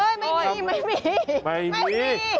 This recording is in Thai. เฮ้ยไม่มีไม่มี